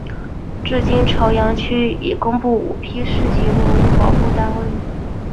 至今潮阳区已公布五批市级文物保护单位。